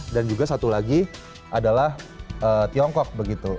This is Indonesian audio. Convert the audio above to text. dan juga satu lagi adalah tiongkok begitu